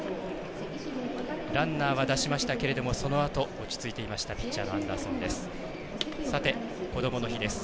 ランナーは出しましたけれどもそのあと落ち着いていましたピッチャーのアンダーソンです。